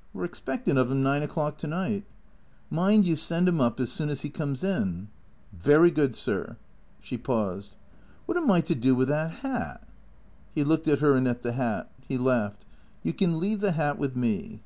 " We 're expecting of 'im nine o'clock to night." " Mind you send him up as soon as he comes in." " Very good, sir." She paused. "Wot am I to do with that 'at?" He looked at her and at the hat. He laughed. " You can leave the hat with me."